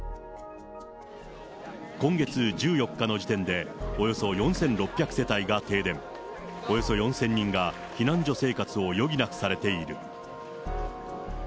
今月１４日の時点でおよそ４６００世帯が停電、およそ４０００人が避難所生活を余儀なくされている。